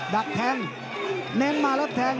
ดักแทงเน้นมาแล้วแทง